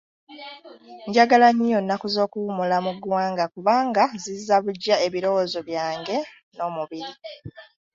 Njagala nnyo nnaku z'okuwummula mu ggwanga kubanga zizza buggya ebirowoozo byange n'omubiri.